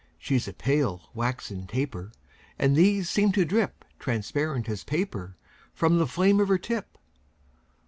She's a pale, waxen taper; And these seem to drip Transparent as paper From the flame of her tip.